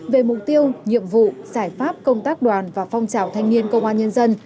về mục tiêu nhiệm vụ giải pháp công tác đoàn và phong trào thanh niên công an nhân dân